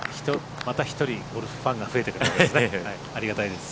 また１人ゴルフファンが増えてねありがたいです。